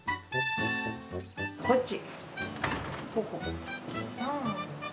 こっち。